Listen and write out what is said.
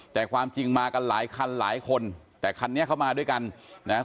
แต่ความจริงมากันหลายคันหลายคนแต่คันนี้เข้ามาด้วยกันนะฮะ